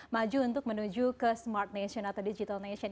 maju untuk menuju ke smart nation atau digital nation